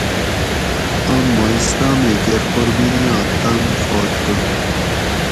آم ما اسلامیں کیر قربینیاں تۤم فالتو